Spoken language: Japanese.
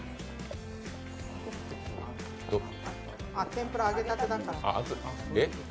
天ぷら揚げたてだから。